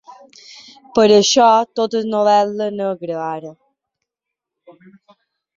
Per això tot és novel·la negra, ara.